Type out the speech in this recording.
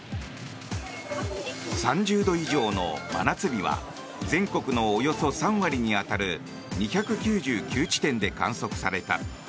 ３０度以上の真夏日は全国のおよそ３割に当たる２９９地点で観測された。